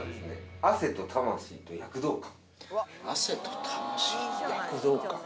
汗と魂と躍動感？